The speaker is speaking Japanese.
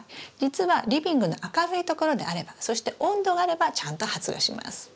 実はリビングの明るいところであればそして温度があればちゃんと発芽します。